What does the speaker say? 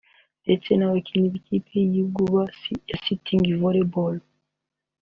ndetse n’abakinnyi b’ikipe y’igihugu ya Sitting Volleyball